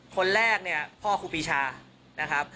คนแรกเนี่ยพ่อครูปีชานะครับ